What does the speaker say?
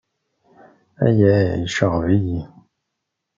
Aya iceɣɣeb-iyi.